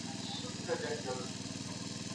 ميرويس خان نيکه څنګه د خلګو زړونه وګټل؟